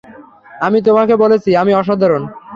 আমি তোমাকে বলেছি, আমি অসাধারণ!